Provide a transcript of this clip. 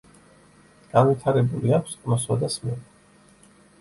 განვითარებული აქვს ყნოსვა და სმენა.